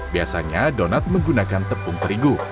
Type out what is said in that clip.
biasanya donat menggunakan tepung terigu